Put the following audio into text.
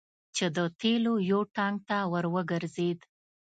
چې د تیلو یو ټانګ ته ور وګرځید.